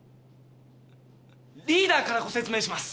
リーダーからご説明します。